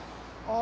あ！